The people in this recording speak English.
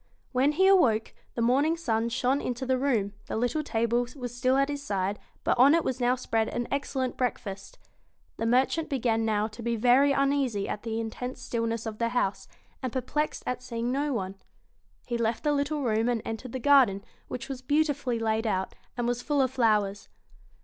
When he awoke, the morning sun shone into the room, the little table was still at his side, but on it was now spread an excellent breakfast The merchant began now to be very uneasy at the intense stilness of the house, and perplexed at seeing no one. He left the little room and entered the garden, which was beautifully laid out, and was full of flowers.